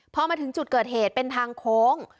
พอมาถึงจุดเกิดเหตุเป็นทางโค้ง